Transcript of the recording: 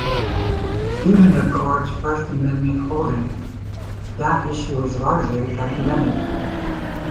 Given the Court's First Amendment holding, that issue is largely academic.